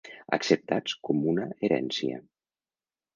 Acceptats com una herència.